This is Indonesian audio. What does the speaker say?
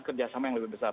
kerjasama yang lebih besar